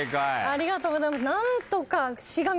ありがとうございます。